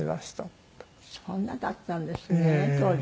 そんなだったんですね当時。